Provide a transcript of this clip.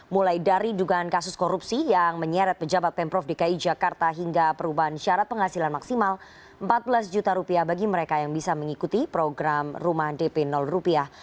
mulai dari dugaan kasus korupsi yang menyeret pejabat pemprov dki jakarta hingga perubahan syarat penghasilan maksimal empat belas juta rupiah bagi mereka yang bisa mengikuti program rumah dp rupiah